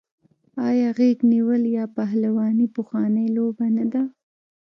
آیا غیږ نیول یا پهلواني پخوانۍ لوبه نه ده؟